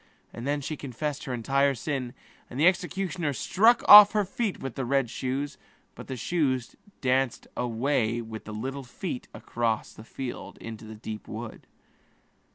And then she confessed all her sin, and the executioner struck off her feet with the red shoes; but the shoes danced away with the little feet across the field into the deep forest.